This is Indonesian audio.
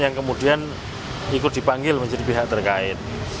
yang kemudian ikut dipanggil menjadi pihak terkait